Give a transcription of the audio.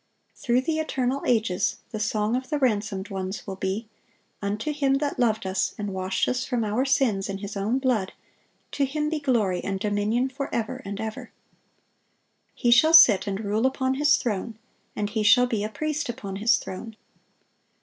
Through the eternal ages, the song of the ransomed ones will be, "Unto Him that loved us, and washed us from our sins in His own blood, ... to Him be glory and dominion forever and ever."(679) He "shall sit and rule upon His throne; and He shall be a priest upon His throne."